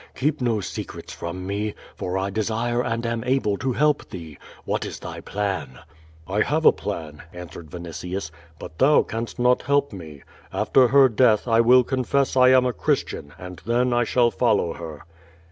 Keep no secrets from me, for I desire and am able to help thee. What is thy plan?" "I have a plan," answered Yinitius, *T)ut thou canst not help me. After her death I will confess I am a Christian, and then I shall follow her."